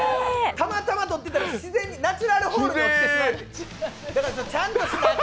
たまたま撮ってたら自然に、ナチュラルホールに落ちてしまって。